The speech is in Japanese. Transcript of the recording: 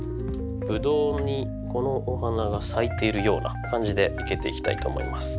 ブドウにこのお花が咲いているような感じで生けていきたいと思います。